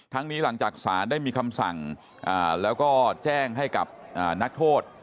นี้หลังจากศาลได้มีคำสั่งแล้วก็แจ้งให้กับนักโทษ